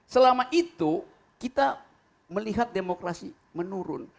selama itu kita melihat demokrasi menurun